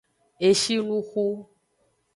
Eshinuxu.